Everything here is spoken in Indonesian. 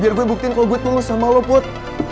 biar gue buktiin kok gue tulus sama lo put